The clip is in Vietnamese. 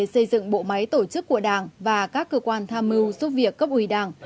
xây dựng bộ máy tổ chức của đảng và các cơ quan tham mưu giúp việc cấp ủy đảng